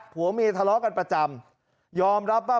ผัวเมียทะเลาะกันประจำยอมรับว่า